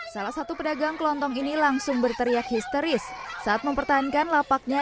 salah satu pedagang kelontong ini langsung berteriak histeris saat mempertahankan lapaknya